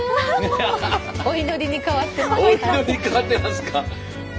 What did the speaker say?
お祈りに変わってますか。